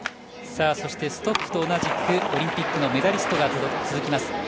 そしてストッフと同じくオリンピックのメダリストが続きます。